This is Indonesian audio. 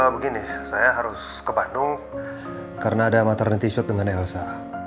begini saya harus ke bandung karena ada materi t shirt dengan elsa